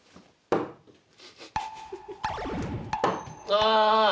ああ。